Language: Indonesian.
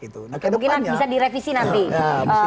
mungkin bisa direvisi nanti